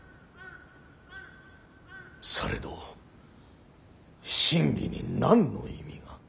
されど真偽に何の意味が。